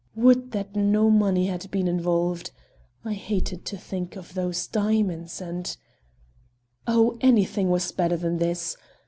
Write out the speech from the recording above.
Would that no money had been involved! I hated to think of those diamonds and Oh, anything was better than this!